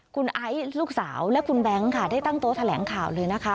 คุณไอซ์ลูกสาวและคุณแบงค์ค่ะได้ตั้งโต๊ะแถลงข่าวเลยนะคะ